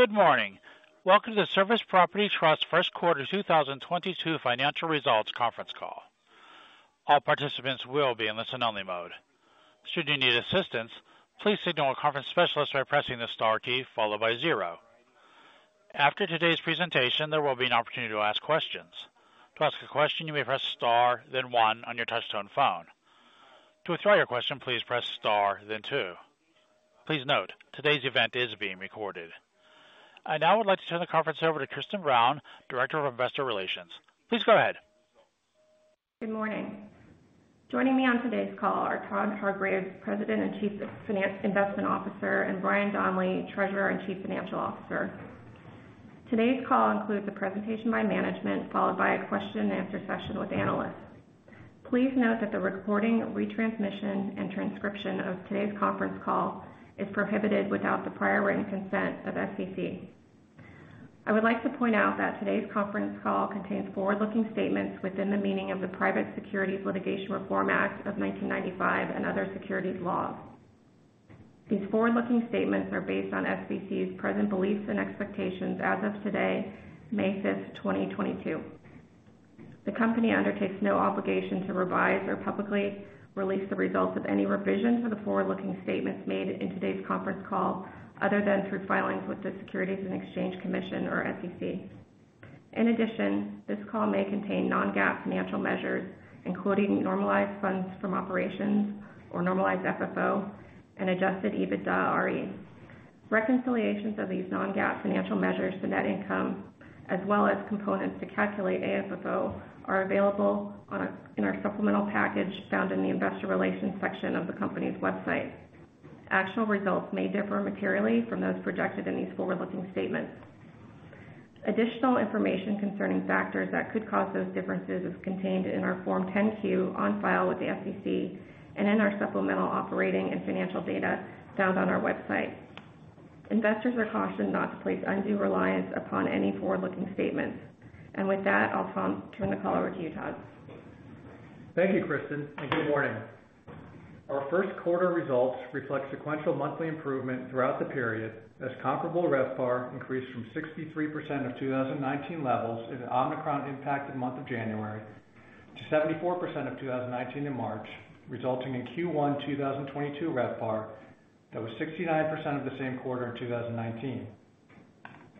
Good morning. Welcome to Service Properties Trust Q1 2022 financial results conference call. All participants will be in listen-only mode. Should you need assistance, please signal a conference specialist by pressing the star key followed by zero. After today's presentation, there will be an opportunity to ask questions. To ask a question, you may press star then one on your touchtone phone. To withdraw your question, please press star then two. Please note, today's event is being recorded. I now would like to turn the conference over to Kristin Brown, Director of Investor Relations. Please go ahead. Good morning. Joining me on today's call are Todd Hargreaves, President and Chief Investment Officer, and Brian Donley, Treasurer and Chief Financial Officer. Today's call includes a presentation by management, followed by a question and answer session with analysts. Please note that the recording, retransmission, and transcription of today's conference call is prohibited without the prior written consent of SVC. I would like to point out that today's conference call contains forward-looking statements within the meaning of the Private Securities Litigation Reform Act of 1995 and other securities laws. These forward-looking statements are based on SVC's present beliefs and expectations as of today, May 5, 2022. The company undertakes no obligation to revise or publicly release the results of any revision to the forward-looking statements made in today's conference call, other than through filings with the Securities and Exchange Commission or SEC. In addition, this call may contain non-GAAP financial measures, including normalized funds from operations or normalized FFO and adjusted EBITDAre. Reconciliations of these non-GAAP financial measures to net income, as well as components to calculate AFFO, are available in our supplemental package found in the investor relations section of the company's website. Actual results may differ materially from those projected in these forward-looking statements. Additional information concerning factors that could cause those differences is contained in our Form 10-Q on file with the SEC and in our supplemental operating and financial data found on our website. Investors are cautioned not to place undue reliance upon any forward-looking statements. With that, I'll turn the call over to you, Todd. Thank you, Kristin, and good morning. Our Q1 results reflect sequential monthly improvement throughout the period as comparable RevPAR increased from 63% of 2019 levels in the Omicron impacted month of January to 74% of 2019 in March, resulting in Q1 2022 RevPAR that was 69% of the same quarter in 2019.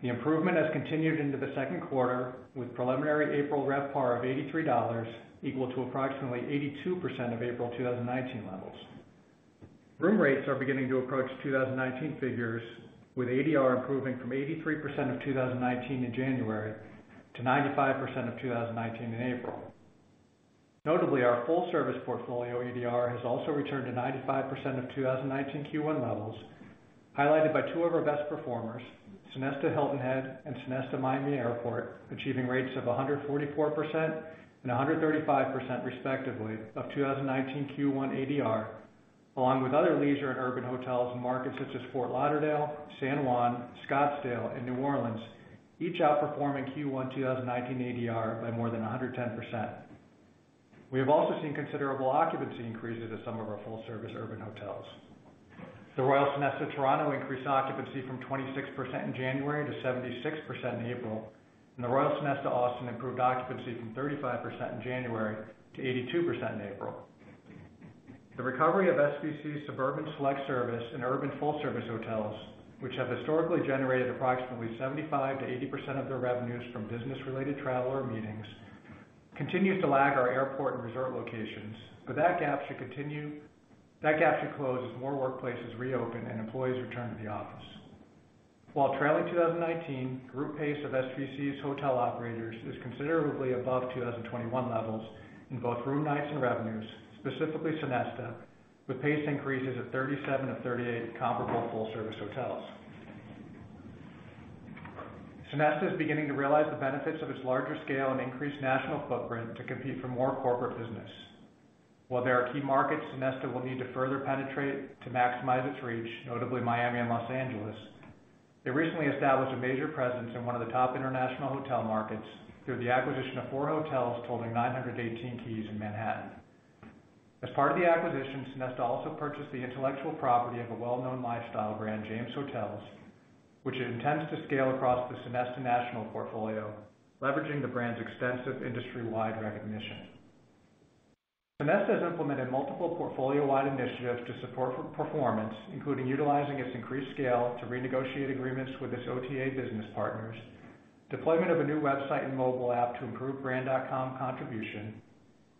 The improvement has continued into the Q2, with preliminary April RevPAR of $83, equal to approximately 82% of April 2019 levels. Room rates are beginning to approach 2019 figures, with ADR improving from 83% of 2019 in January to 95% of 2019 in April. Notably, our full service portfolio ADR has also returned to 95% of 2019 Q1 levels, highlighted by two of our best performers, Sonesta Hilton Head and Sonesta Miami Airport, achieving rates of 144% and 135% respectively of 2019 Q1 ADR, along with other leisure and urban hotels in markets such as Fort Lauderdale, San Juan, Scottsdale, and New Orleans, each outperforming Q1 2019 ADR by more than 110%. We have also seen considerable occupancy increases at some of our full service urban hotels. The Royal Sonesta Toronto increased occupancy from 26% in January to 76% in April, and the Royal Sonesta Austin improved occupancy from 35% in January to 82% in April. The recovery of SVC's suburban select service and urban full service hotels, which have historically generated approximately 75%-80% of their revenues from business-related travel or meetings, continues to lag our airport and resort locations, but that gap should close as more workplaces reopen and employees return to the office. While trailing 2019, group pace of SVC's hotel operators is considerably above 2021 levels in both room nights and revenues, specifically Sonesta, with pace increases of 37 of 38 comparable full service hotels. Sonesta is beginning to realize the benefits of its larger scale and increased national footprint to compete for more corporate business. While there are key markets Sonesta will need to further penetrate to maximize its reach, notably Miami and Los Angeles, they recently established a major presence in one of the top international hotel markets through the acquisition of four hotels totaling 918 keys in Manhattan. As part of the acquisition, Sonesta also purchased the intellectual property of a well-known lifestyle brand, The James Hotels, which it intends to scale across the Sonesta national portfolio, leveraging the brand's extensive industry-wide recognition. Sonesta has implemented multiple portfolio-wide initiatives to support performance, including utilizing its increased scale to renegotiate agreements with its OTA business partners, deployment of a new website and mobile app to improve brand.com contribution,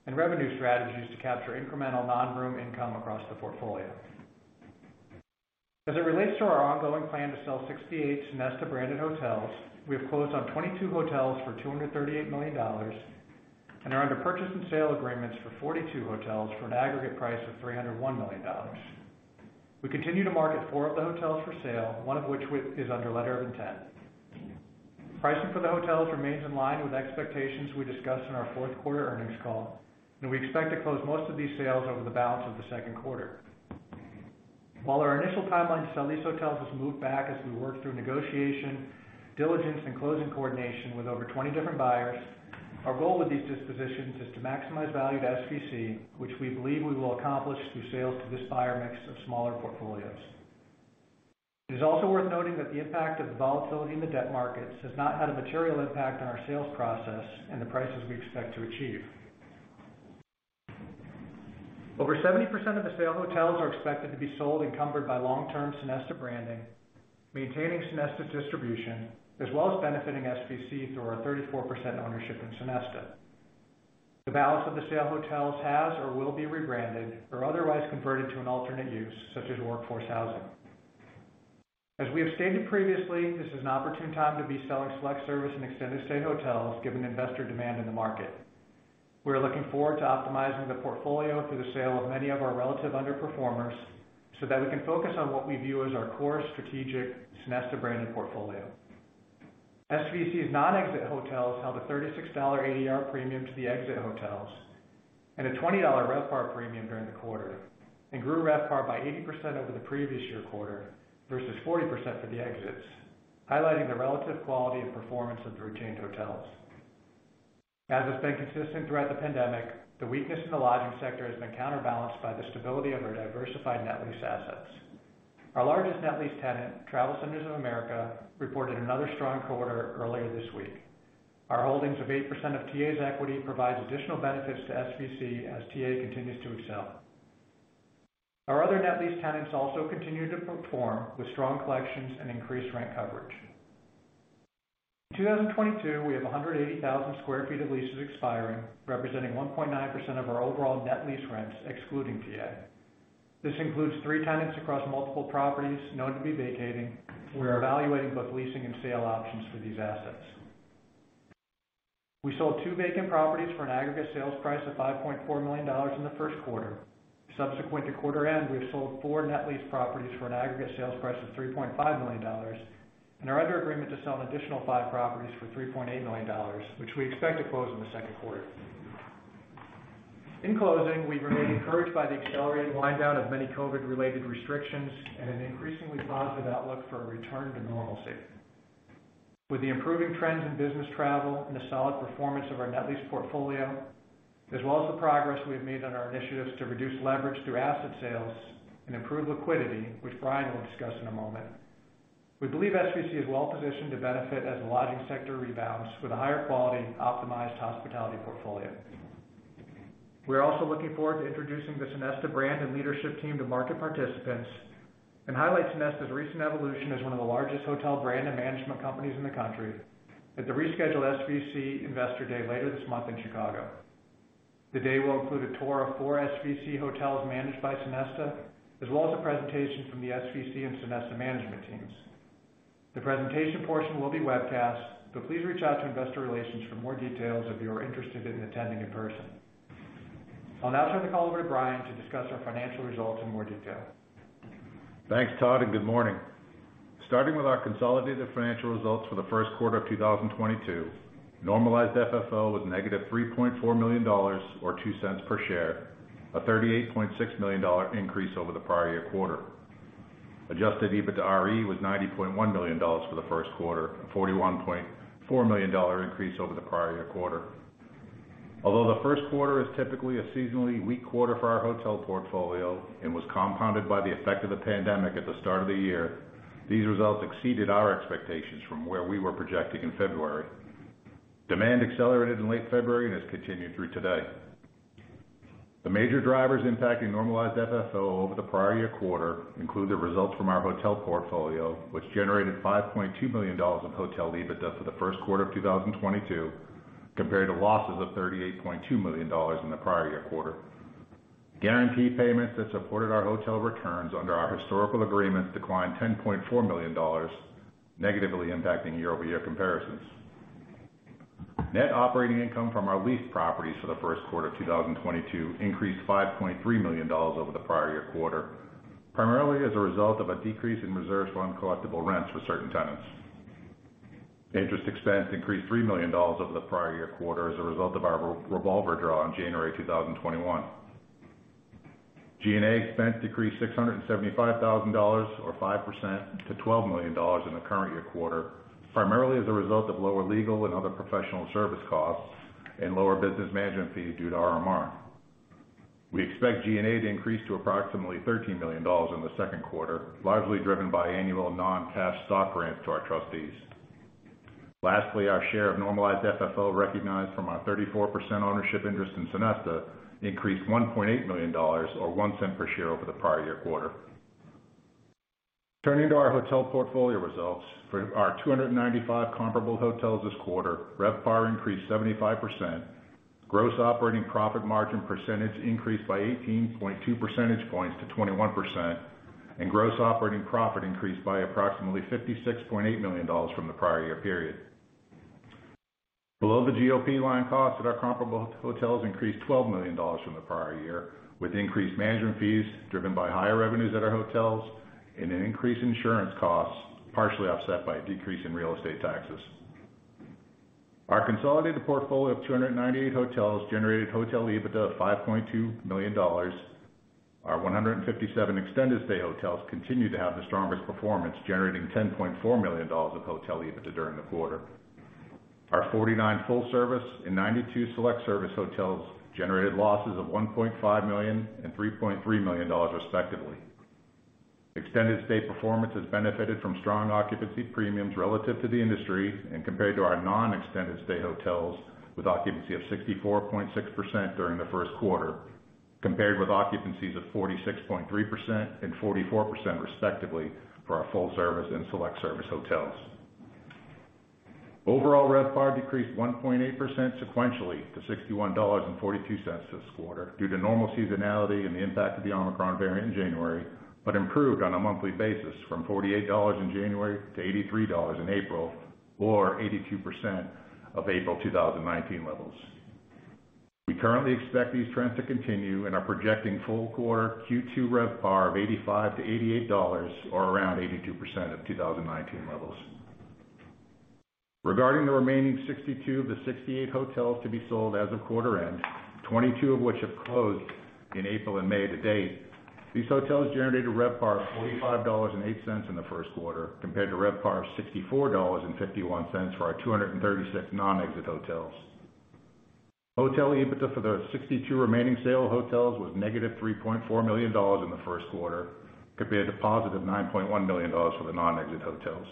and revenue strategies to capture incremental non-room income across the portfolio. As it relates to our ongoing plan to sell 68 Sonesta branded hotels, we have closed on 22 hotels for $238 million and are under purchase and sale agreements for 42 hotels for an aggregate price of $301 million. We continue to market 4 of the hotels for sale, one of which is under letter of intent. Pricing for the hotels remains in line with expectations we discussed in our Q4 earnings call, and we expect to close most of these sales over the balance of the Q2. While our initial timeline to sell these hotels has moved back as we work through negotiation, diligence and closing coordination with over 20 different buyers. Our goal with these dispositions is to maximize value to SVC, which we believe we will accomplish through sales to this buyer mix of smaller portfolios. It is also worth noting that the impact of the volatility in the debt markets has not had a material impact on our sales process and the prices we expect to achieve. Over 70% of the sale hotels are expected to be sold encumbered by long-term Sonesta branding, maintaining Sonesta's distribution, as well as benefiting SVC through our 34% ownership in Sonesta. The balance of the sale hotels has or will be rebranded or otherwise converted to an alternate use, such as workforce housing. As we have stated previously, this is an opportune time to be selling select service and extended stay hotels, given investor demand in the market. We are looking forward to optimizing the portfolio through the sale of many of our relative underperformers, so that we can focus on what we view as our core strategic Sonesta branded portfolio. SVC's non-exit hotels held a $36 ADR premium to the exit hotels and a $20 RevPAR premium during the quarter, and grew RevPAR by 80% over the previous year quarter versus 40% for the exits, highlighting the relative quality and performance of the retained hotels. As has been consistent throughout the pandemic, the weakness in the lodging sector has been counterbalanced by the stability of our diversified net lease assets. Our largest net lease tenant, TravelCenters of America, reported another strong quarter earlier this week. Our holdings of 8% of TA's equity provides additional benefits to SVC as TA continues to excel. Our other net lease tenants also continue to perform with strong collections and increased rent coverage. In 2022, we have 180,000 sq ft of leases expiring, representing 1.9% of our overall net lease rents excluding TA. This includes three tenants across multiple properties known to be vacating. We are evaluating both leasing and sale options for these assets. We sold two vacant properties for an aggregate sales price of $5.4 million in the Q1. Subsequent to quarter end, we have sold four net leased properties for an aggregate sales price of $3.5 million, and are under agreement to sell an additional five properties for $3.8 million, which we expect to close in the Q2. In closing, we remain encouraged by the accelerated wind down of many COVID-related restrictions and an increasingly positive outlook for a return to normalcy. With the improving trends in business travel and the solid performance of our net lease portfolio, as well as the progress we have made on our initiatives to reduce leverage through asset sales and improve liquidity, which Brian will discuss in a moment, we believe SVC is well positioned to benefit as the lodging sector rebounds with a higher quality and optimized hospitality portfolio. We're also looking forward to introducing the Sonesta brand and leadership team to market participants and highlight Sonesta's recent evolution as one of the largest hotel brand and management companies in the country at the rescheduled SVC Investor Day later this month in Chicago. The day will include a tour of four SVC hotels managed by Sonesta, as well as a presentation from the SVC and Sonesta management teams. The presentation portion will be webcast, but please reach out to investor relations for more details if you are interested in attending in person. I'll now turn the call over to Brian to discuss our financial results in more detail. Thanks, Todd, and good morning. Starting with our consolidated financial results for the Q1 of 2022, normalized FFO was negative $3.4 million or $0.02 per share, a $38.6 million increase over the prior year quarter. Adjusted EBITDAre was $90.1 million for the Q1, a $41.4 million increase over the prior year quarter. Although the Q1 is typically a seasonally weak quarter for our hotel portfolio and was compounded by the effect of the pandemic at the start of the year, these results exceeded our expectations from where we were projecting in February. Demand accelerated in late February and has continued through today. The major drivers impacting Normalized FFO over the prior year quarter include the results from our hotel portfolio, which generated $5.2 million of hotel EBITDA for the Q1 of 2022, compared to losses of $38.2 million in the prior year quarter. Guarantee payments that supported our hotel returns under our historical agreements declined $10.4 million, negatively impacting year-over-year comparisons. Net operating income from our lease properties for the Q1 of 2022 increased $5.3 million over the prior year quarter, primarily as a result of a decrease in reserves for uncollectible rents for certain tenants. Interest expense increased $3 million over the prior year quarter as a result of our revolver draw in January 2021. G&A expense decreased $675,000 or 5% to $12 million in the current year quarter, primarily as a result of lower legal and other professional service costs and lower business management fees due to RMR. We expect G&A to increase to approximately $13 million in the Q2, largely driven by annual non-cash stock grants to our trustees. Lastly, our share of Normalized FFO recognized from our 34% ownership interest in Sonesta increased $1.8 million or $0.01 per share over the prior year quarter. Turning to our hotel portfolio results, for our 295 comparable hotels this quarter, RevPAR increased 75%, gross operating profit margin percentage increased by 18.2 percentage points to 21%, and gross operating profit increased by approximately $56.8 million from the prior year period. Below the GOP line costs at our comparable hotels increased $12 million from the prior year, with increased management fees driven by higher revenues at our hotels and an increase in insurance costs, partially offset by a decrease in real estate taxes. Our consolidated portfolio of 298 hotels generated hotel EBITDA of $5.2 million. Our 157 extended stay hotels continued to have the strongest performance, generating $10.4 million of hotel EBITDA during the quarter. Our 49 full-service and 92 select-service hotels generated losses of $1.5 million and $3.3 million respectively. Extended stay performance has benefited from strong occupancy premiums relative to the industry and compared to our non-extended stay hotels with occupancy of 64.6% during the Q1, compared with occupancies of 46.3% and 44% respectively for our full service and select service hotels. Overall, RevPAR decreased 1.8% sequentially to $61.42 this quarter due to normal seasonality and the impact of the Omicron variant in January, but improved on a monthly basis from $48 in January to $83 in April, or 82% of April 2019 levels. We currently expect these trends to continue and are projecting full quarter Q2 RevPAR of $85-$88 or around 82% of 2019 levels. Regarding the remaining 62 of the 68 hotels to be sold as of quarter end, 22 of which have closed in April and May to date. These hotels generated RevPAR of $45.08 in the Q1, compared to RevPAR of $64.51 for our 236 non-exit hotels. Hotel EBITDA for the 62 remaining sale hotels was -$3.4 million in the Q1, compared to $9.1 million for the non-exit hotels.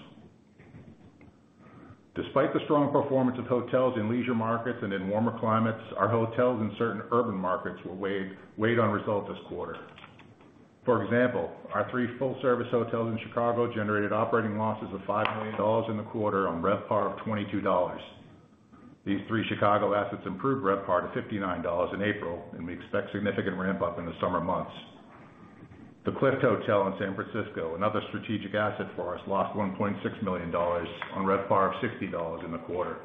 Despite the strong performance of hotels in leisure markets and in warmer climates, our hotels in certain urban markets were weighed on results this quarter. For example, our three full-service hotels in Chicago generated operating losses of $5 million in the quarter on RevPAR of $22. These three Chicago assets improved RevPAR to $59 in April, and we expect significant ramp up in the summer months. The Clift Hotel in San Francisco, another strategic asset for us, lost $1.6 million on RevPAR of $60 in the quarter.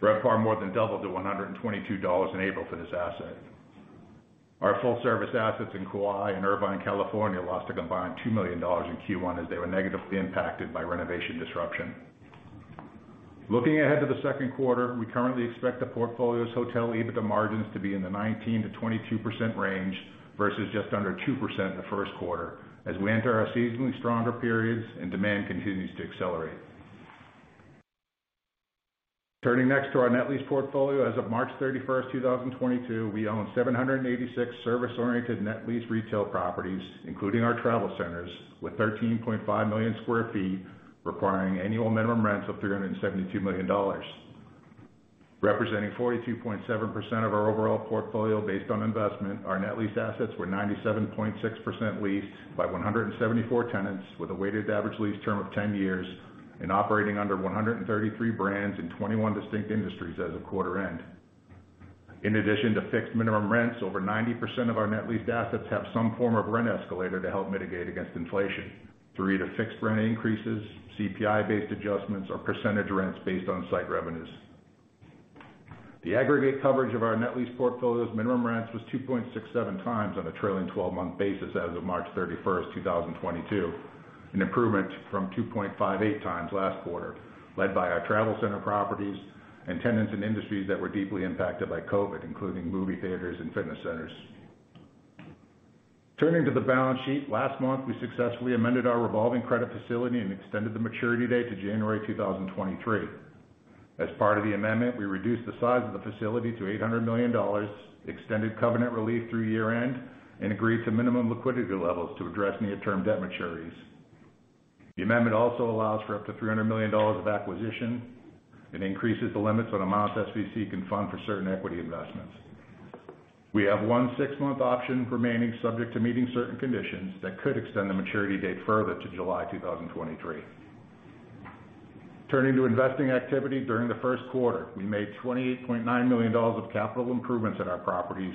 RevPAR more than doubled to $122 in April for this asset. Our full service assets in Kauai and Irvine, California, lost a combined $2 million in Q1 as they were negatively impacted by renovation disruption. Looking ahead to the Q2, we currently expect the portfolio's hotel EBITDA margins to be in the 19%-22% range versus just under 2% in the Q1 as we enter our seasonally stronger periods and demand continues to accelerate. Turning next to our net lease portfolio. As of March 31, 2022, we own 786 service-oriented net lease retail properties, including our travel centers, with 13.5 million sq ft requiring annual minimum rents of $372 million. Representing 42.7% of our overall portfolio based on investment, our net lease assets were 97.6% leased by 174 tenants with a weighted average lease term of 10 years and operating under 133 brands in 21 distinct industries as of quarter end. In addition to fixed minimum rents, over 90% of our net leased assets have some form of rent escalator to help mitigate against inflation through either fixed rent increases, CPI-based adjustments or percentage rents based on site revenues. The aggregate coverage of our net lease portfolio's minimum rents was 2.67 times on a trailing twelve-month basis as of March 31, 2022, an improvement from 2.58 times last quarter, led by our travel center properties and tenants in industries that were deeply impacted by COVID, including movie theaters and fitness centers. Turning to the balance sheet. Last month, we successfully amended our revolving credit facility and extended the maturity date to January 2023. As part of the amendment, we reduced the size of the facility to $800 million, extended covenant relief through year-end, and agreed to minimum liquidity levels to address near-term debt maturities. The amendment also allows for up to $300 million of acquisition and increases the limits on amounts SVC can fund for certain equity investments. We have one six-month option remaining, subject to meeting certain conditions, that could extend the maturity date further to July 2023. Turning to investing activity. During the Q1, we made $28.9 million of capital improvements at our properties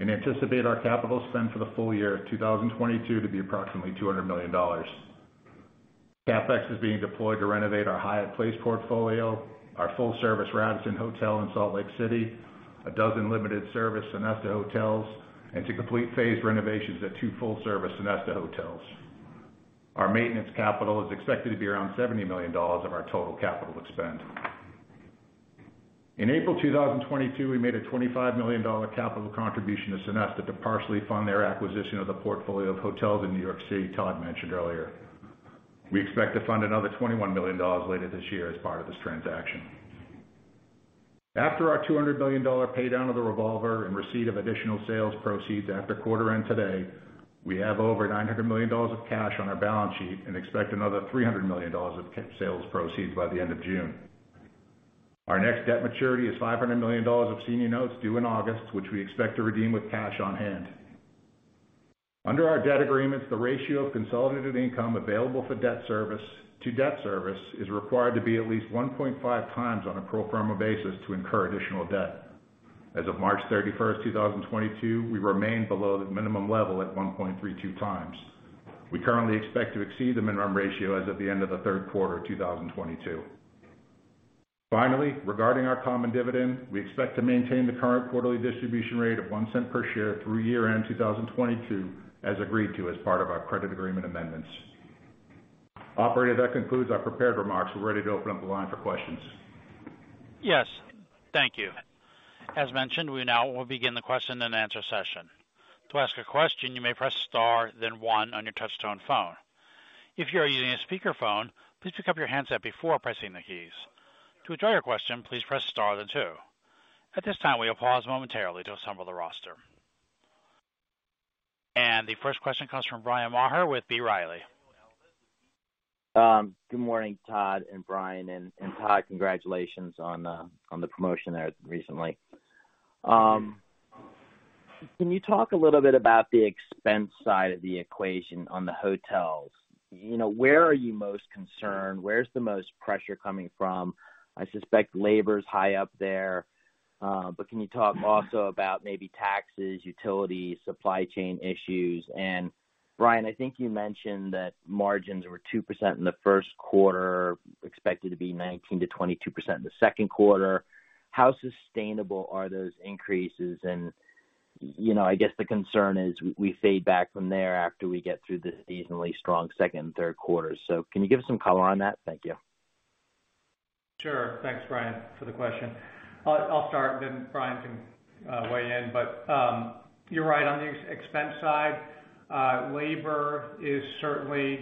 and anticipate our capital spend for the full year of 2022 to be approximately $200 million. CapEx is being deployed to renovate our Hyatt Place portfolio, our full service Radisson Hotel in Salt Lake City, a dozen limited service Sonesta hotels, and to complete phased renovations at two full service Sonesta hotels. Our maintenance capital is expected to be around $70 million of our total CapEx. In April 2022, we made a $25 million capital contribution to Sonesta to partially fund their acquisition of the portfolio of hotels in New York City Todd mentioned earlier. We expect to fund another $21 million later this year as part of this transaction. After our $200 million pay down of the revolver and receipt of additional sales proceeds after quarter end today, we have over $900 million of cash on our balance sheet and expect another $300 million of sales proceeds by the end of June. Our next debt maturity is $500 million of senior notes due in August, which we expect to redeem with cash on hand. Under our debt agreements, the ratio of consolidated income available for debt service to debt service is required to be at least 1.5 times on a pro forma basis to incur additional debt. As of March 31, 2022, we remain below the minimum level at 1.32 times. We currently expect to exceed the minimum ratio as of the end of the Q3 of 2022. Finally, regarding our common dividend, we expect to maintain the current quarterly distribution rate of $0.01 per share through year-end 2022 as agreed to as part of our credit agreement amendments. Operator, that concludes our prepared remarks. We're ready to open up the line for questions. Yes. Thank you. As mentioned, we now will begin the question-and-answer session. To ask a question, you may press star then one on your touchtone phone. If you are using a speakerphone, please pick up your handset before pressing the keys. To withdraw your question, please press star then two. At this time, we'll pause momentarily to assemble the roster. The first question comes from Bryan Maher with B. Riley. Good morning, Todd and Brian. Todd, congratulations on the promotion there recently. Can you talk a little bit about the expense side of the equation on the hotels? You know, where are you most concerned? Where's the most pressure coming from? I suspect labor is high up there, but can you talk also about maybe taxes, utilities, supply chain issues? Brian, I think you mentioned that margins were 2% in the Q1, expected to be 19%-22% in the Q2. How sustainable are those increases? You know, I guess the concern is we fade back from there after we get through the seasonally strong second and Q3. Can you give us some color on that? Thank you. Sure. Thanks, Brian, for the question. I'll start, then Brian can weigh in. You're right, on the expense side, labor is certainly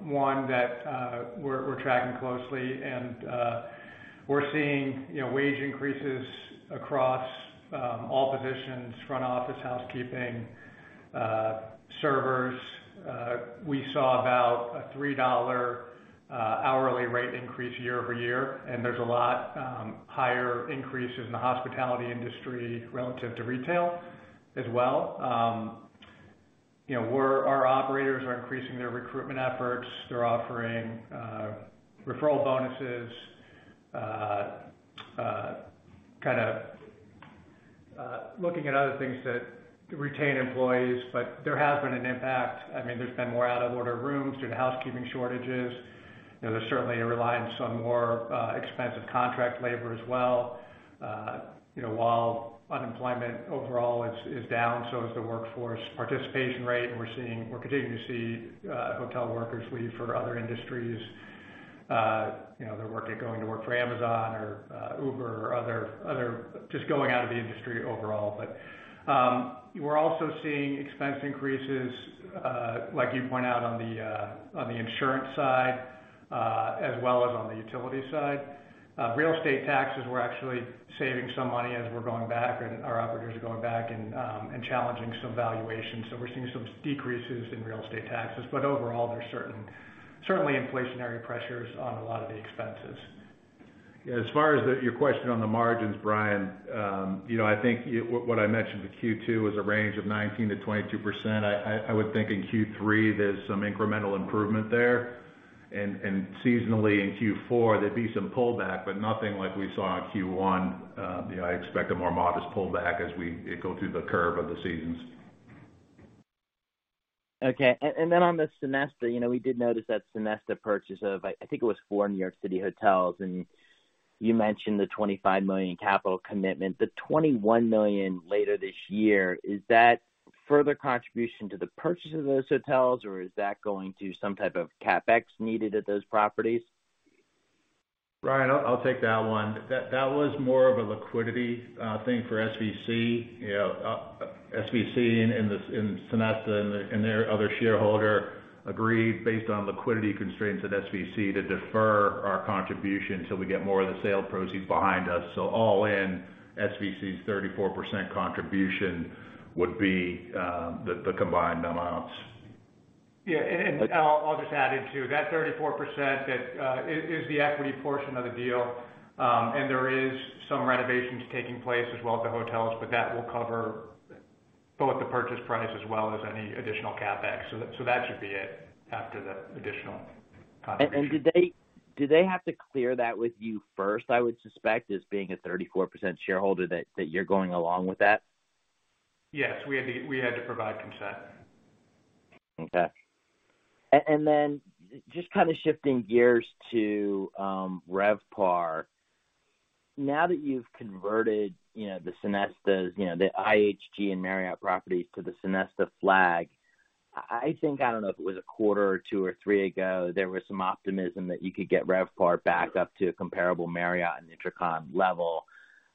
one that we're tracking closely. We're seeing, you know, wage increases across all positions, front office, housekeeping, servers. We saw about a $3 hourly rate increase year-over-year, and there's a lot higher increases in the hospitality industry relative to retail as well. Our operators are increasing their recruitment efforts. They're offering referral bonuses, kinda looking at other things to retain employees, but there has been an impact. I mean, there's been more out of order rooms due to housekeeping shortages. You know, there's certainly a reliance on more expensive contract labor as well. You know, while unemployment overall is down, so is the workforce participation rate, and we're continuing to see hotel workers leave for other industries. They're going to work for Amazon or Uber or other. Just going out of the industry overall. We're also seeing expense increases, like you point out on the insurance side, as well as on the utility side. Real estate taxes, we're actually saving some money as we're going back and our operators are going back and challenging some valuations. We're seeing some decreases in real estate taxes. Overall, there's certainly inflationary pressures on a lot of the expenses. Yeah. As far as your question on the margins, Brian, you know, I think what I mentioned to Q2 was a range of 19%-22%. I would think in Q3, there's some incremental improvement there. Seasonally in Q4, there'd be some pullback, but nothing like we saw in Q1. You know, I expect a more modest pullback as we go through the curve of the seasons. Okay. On the Sonesta, you know, we did notice that Sonesta purchase of, I think it was four New York City hotels, and you mentioned the $25 million capital commitment. The $21 million later this year, is that further contribution to the purchase of those hotels, or is that going to some type of CapEx needed at those properties? Brian, I'll take that one. That was more of a liquidity thing for SVC. You know, SVC and Sonesta and their other shareholder agreed, based on liquidity constraints at SVC, to defer our contribution till we get more of the sale proceeds behind us. All in, SVC's 34% contribution would be the combined amounts. Yeah. I'll just add in, too. That 34% that is the equity portion of the deal. There is some renovations taking place as well at the hotels, but that will cover both the purchase price as well as any additional CapEx. That should be it after the additional contribution. Do they have to clear that with you first? I would suspect, as being a 34% shareholder, that you're going along with that? Yes. We had to provide consent. Okay. Just kinda shifting gears to RevPAR. Now that you've converted the Sonesta's the IHG and Marriott properties to the Sonesta flag, I think I don't know if it was a quarter or two or three ago, there was some optimism that you could get RevPAR back up to a comparable Marriott and InterContinental level.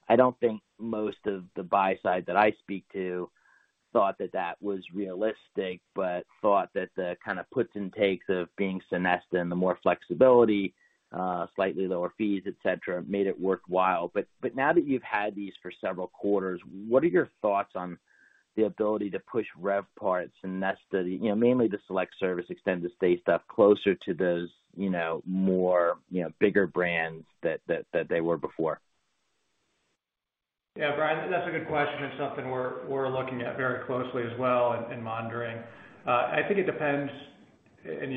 I don't think most of the buy side that I speak to thought that was realistic, but thought that the kinda puts and takes of being Sonesta and the more flexibility slightly lower fees, et cetera, made it worthwhile. now that you've had these for several quarters, what are your thoughts on the ability to push RevPAR at Sonesta, you know, mainly the select service, extended stay stuff, closer to those, you know, more, you know, bigger brands that they were before? Yeah. Brian, that's a good question. It's something we're looking at very closely as well and monitoring. I think it depends, and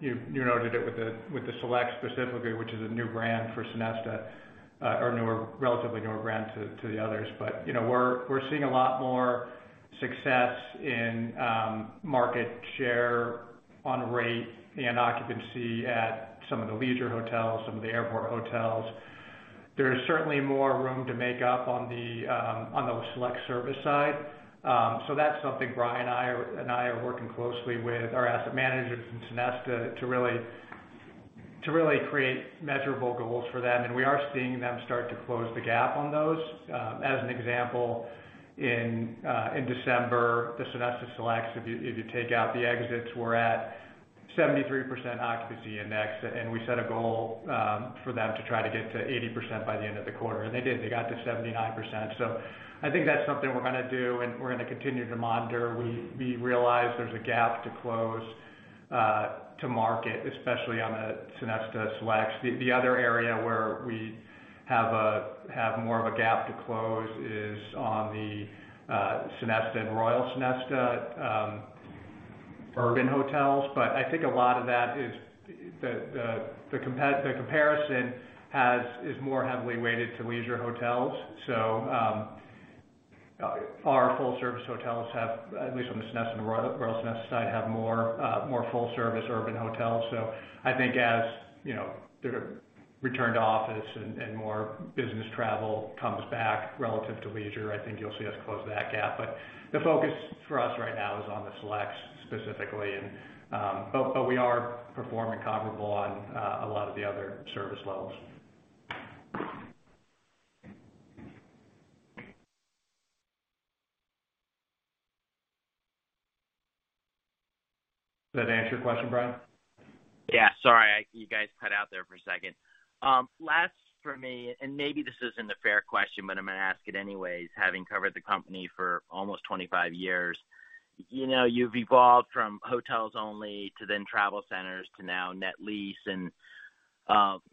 you noted it with the Select specifically, which is a new brand for Sonesta, or newer, relatively newer brand to the others. You know, we're seeing a lot more success in market share on rate and occupancy at some of the leisure hotels, some of the airport hotels. There is certainly more room to make up on the select service side. So that's something Brian and I are working closely with our asset managers from Sonesta to really create measurable goals for them. We are seeing them start to close the gap on those. As an example, in December, the Sonesta Selects, if you take out the exits, were at 73% occupancy index, and we set a goal for them to try to get to 80% by the end of the quarter. They did, they got to 79%. I think that's something we're going to do, and we're going to continue to monitor. We realize there's a gap to close to market, especially on the Sonesta Selects. The other area where we have more of a gap to close is on the Sonesta and Royal Sonesta urban hotels. I think a lot of that is the comparison is more heavily weighted to leisure hotels. Our full-service hotels have, at least on the Sonesta and Royal Sonesta side, more full-service urban hotels. I think as you know, the return to office and more business travel comes back relative to leisure, I think you'll see us close that gap. The focus for us right now is on the Selects specifically and we are performing comparably on a lot of the other service levels. Does that answer your question, Brian? Yeah. Sorry, you guys cut out there for a second. Last for me, and maybe this isn't a fair question, but I'm going to ask it anyways, having covered the company for almost 25 years. You know, you've evolved from hotels only to then travel centers to now net lease and,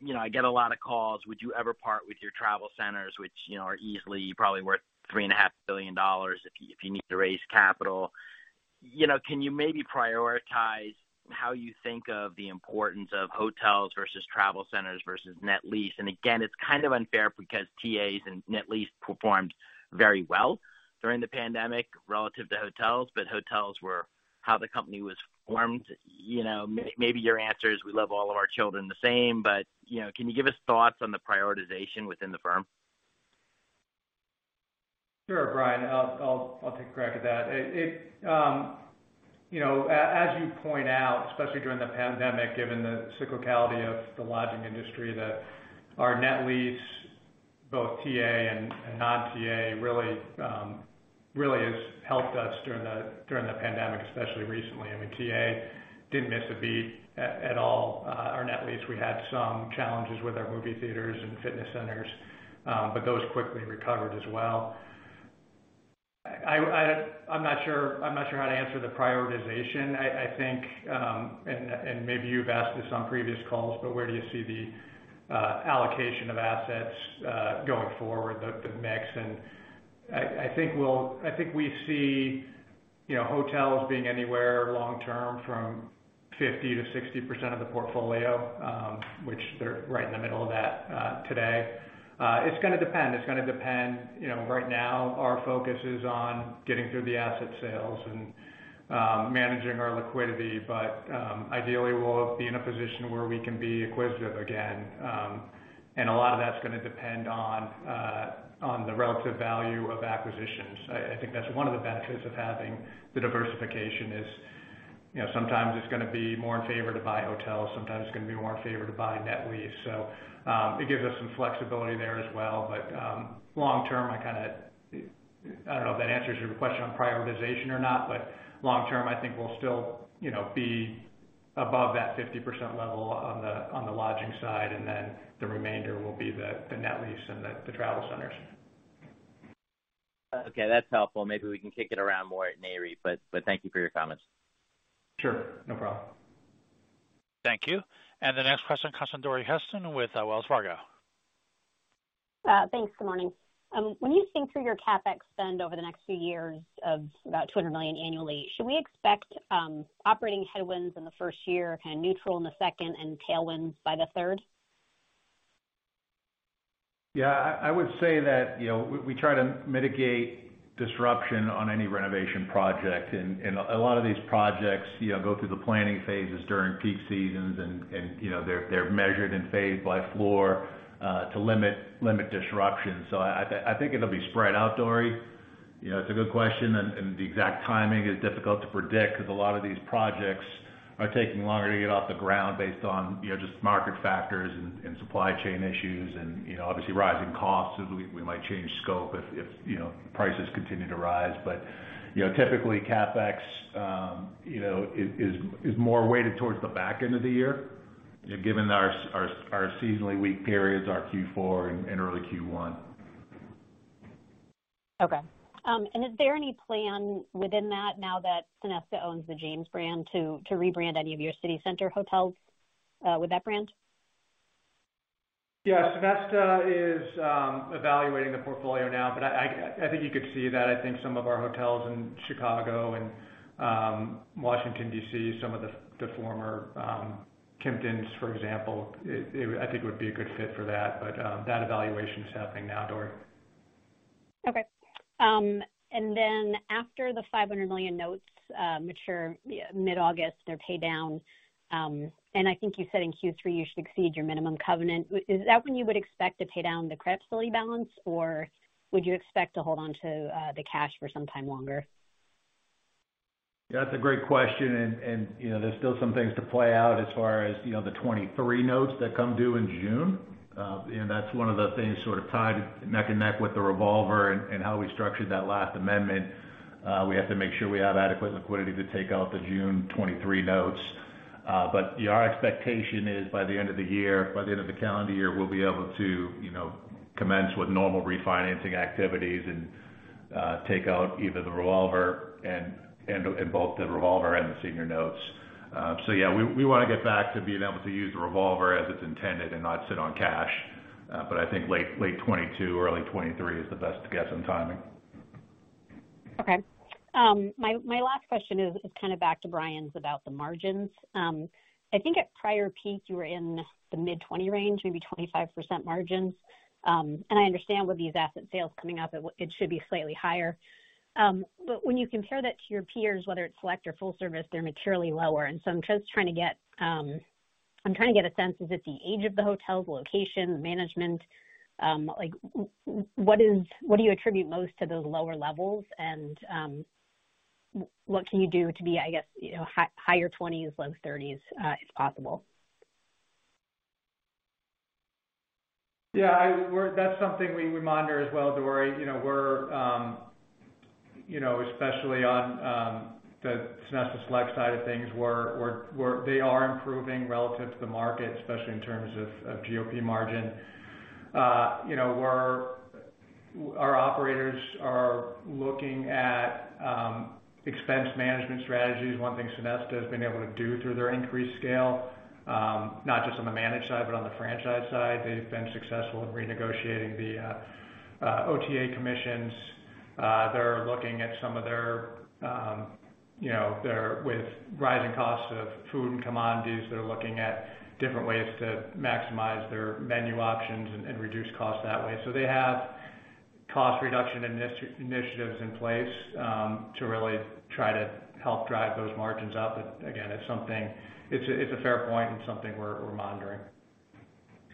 you know, I get a lot of calls, would you ever part with your travel centers, which, you know, are easily probably worth $3.5 billion if you need to raise capital. You know, can you maybe prioritize how you think of the importance of hotels versus travel centers versus net lease? Again, it's kind of unfair because TAs and net lease performed very well during the pandemic relative to hotels, but hotels were how the company was formed. You know, maybe your answer is we love all of our children the same, but, you know, can you give us thoughts on the prioritization within the firm? Sure, Brian. I'll take a crack at that. You know, as you point out, especially during the pandemic, given the cyclicality of the lodging industry, that our net lease, both TA and non-TA really has helped us during the pandemic, especially recently. I mean, TA didn't miss a beat at all. Our net lease, we had some challenges with our movie theaters and fitness centers, but those quickly recovered as well. I'm not sure how to answer the prioritization. I think and maybe you've asked this on previous calls, but where do you see the allocation of assets going forward, the mix? I think we see, you know, hotels being anywhere long term from 50%-60% of the portfolio, which they're right in the middle of that today. It's going to depend. You know, right now our focus is on getting through the asset sales and managing our liquidity. Ideally, we'll be in a position where we can be acquisitive again. A lot of that's going to depend on the relative value of acquisitions. I think that's one of the benefits of having the diversification is, you know, sometimes it's going to be more in favor to buy hotels, sometimes it's going to be more in favor to buy net lease. It gives us some flexibility there as well. Long term, I kinda... I don't know if that answers your question on prioritization or not, but long term, I think we'll still, you know, be above that 50% level on the lodging side, and then the remainder will be the net lease and the travel centers. Okay. That's helpful. Maybe we can kick it around more at Nareit, but thank you for your comments. Sure. No problem. Thank you. The next question comes from Dori Kesten with Wells Fargo. Thanks. Good morning. When you think through your CapEx spend over the next few years of about $200 million annually, should we expect operating headwinds in the first year, kind of neutral in the second, and tailwinds by the third? Yeah. I would say that, you know, we try to mitigate disruption on any renovation project. A lot of these projects, you know, go through the planning phases during peak seasons and, you know, they're measured and phased by floor to limit disruption. I think it'll be spread out, Dori. You know, it's a good question, and the exact timing is difficult to predict 'cause a lot of these projects are taking longer to get off the ground based on, you know, just market factors and supply chain issues and, you know, obviously rising costs. We might change scope if, you know, prices continue to rise. You know, typically CapEx, you know, is more weighted towards the back end of the year, you know, given our seasonally weak periods are Q4 and early Q1. Okay. Is there any plan within that now that Sonesta owns the James brand to rebrand any of your city center hotels with that brand? Yeah. Sonesta is evaluating the portfolio now, but I think you could see that. I think some of our hotels in Chicago and Washington, D.C., some of the former Kimptons, for example, I think would be a good fit for that. That evaluation is happening now, Dori. After the $500 million notes mature mid-August, they're paid down. I think you said in Q3 you should exceed your minimum covenant. Is that when you would expect to pay down the credit facility balance, or would you expect to hold on to the cash for some time longer? That's a great question. You know, there's still some things to play out as far as, you know, the 2023 notes that come due in June. You know, that's one of the things sort of tied neck and neck with the revolver and how we structured that last amendment. We have to make sure we have adequate liquidity to take out the June 2023 notes. Our expectation is by the end of the year, by the end of the calendar year, we'll be able to, you know, commence with normal refinancing activities and take out either the revolver and both the revolver and the senior notes. Yeah, we want to get back to being able to use the revolver as it's intended and not sit on cash. I think late 2022 or early 2023 is the best guess on timing. Okay. My last question is kind of back to Brian's about the margins. I think at prior peak you were in the mid-20 range, maybe 25% margins. I understand with these asset sales coming up, it should be slightly higher. But when you compare that to your peers, whether it's select or full service, they're materially lower. I'm just trying to get a sense is it the age of the hotels, location, management? Like what do you attribute most to those lower levels? What can you do to be, I guess, you know, higher 20s% to low 30s%, if possible? Yeah, that's something we monitor as well, Dori. You know, you know, especially on the Sonesta Select side of things, they are improving relative to the market, especially in terms of GOP margin. You know, our operators are looking at expense management strategies. One thing Sonesta has been able to do through their increased scale, not just on the managed side but on the franchise side, they've been successful in renegotiating the OTA commissions. They're looking at some of their, you know, with rising costs of food and commodities, they're looking at different ways to maximize their menu options and reduce costs that way. They have cost reduction initiatives in place to really try to help drive those margins up. Again, it's something, it's a fair point and something we're monitoring.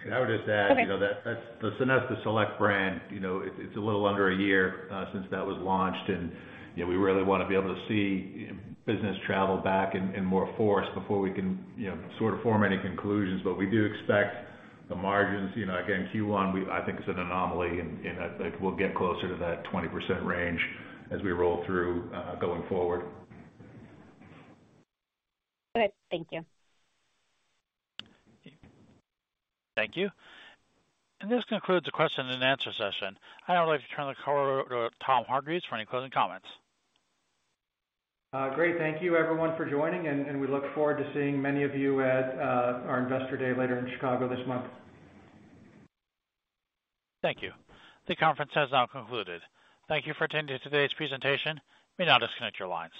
I would just add. Okay. You know, that Sonesta Select brand, you know, it's a little under a year since that was launched. You know, we really want to be able to see business travel back in more force before we can, you know, sort of form any conclusions. We do expect the margins, you know, again, Q1 I think is an anomaly, and I think we'll get closer to that 20% range as we roll through going forward. Okay. Thank you. Thank you. This concludes the question and answer session. I'd like to turn the call over to Todd Hargreaves for any closing comments. Great. Thank you everyone for joining, and we look forward to seeing many of you at our investor day later in Chicago this month. Thank you. The conference has now concluded. Thank you for attending today's presentation. You may now disconnect your lines.